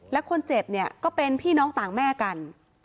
และคนเจ็บเนี่ยก็เป็นพี่น้องต่างแม่กัน